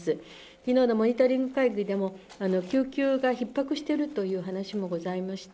きのうのモニタリング会議でも、救急がひっ迫しているという話もございました。